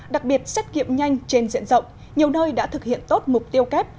đặc biệt xét kiệm nhanh trên diện rộng nhiều nơi đã thực hiện tốt mục tiêu kép